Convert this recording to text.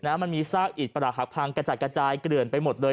มันมีซากอิดประหลักหักพังกระจัดกระจายเกลื่อนไปหมดเลย